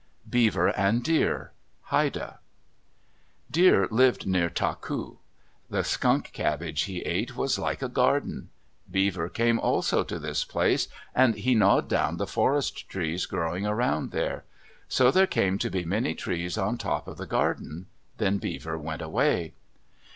BEAVER AND DEER Haida Deer lived near Taku. The skunk cabbage he ate was like a garden. Beaver came also to this place and he gnawed down the forest trees growing around there. So there came to be many trees on top of the garden. Then Beaver went away.